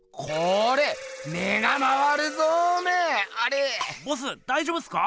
ボスだいじょうぶっすか⁉